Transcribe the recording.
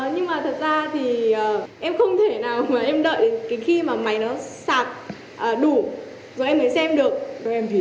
nhưng mà thật ra thì em không thể nào em đợi khi mà máy nó sạc đủ rồi em mới xem được